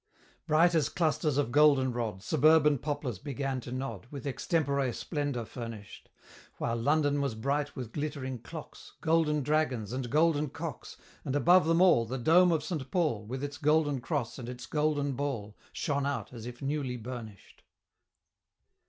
Bright as clusters of Golden rod, Suburban poplars began to nod, With extempore splendor furnish'd; While London was bright with glittering clocks, Golden dragons, and Golden cocks, And above them all, The dome of St. Paul, With its Golden Cross and its Golden Ball, Shone out as if newly burnished!